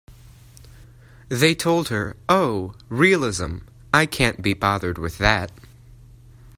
They told her, Oh, realism, I can't be bothered with that.